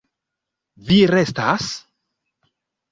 Vi restas?